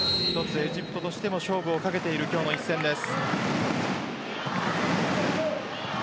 エジプトとしても勝負をかけている今日の一戦です。